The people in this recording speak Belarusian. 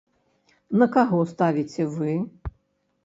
На каго ставіце вы?